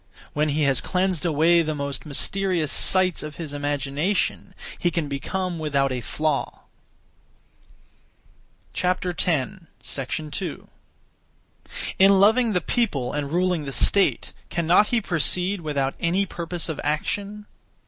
When he has cleansed away the most mysterious sights (of his imagination), he can become without a flaw. 2. In loving the people and ruling the state, cannot he proceed without any (purpose of) action?